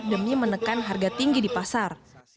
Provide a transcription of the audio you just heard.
demi menekan harga tinggi di pasar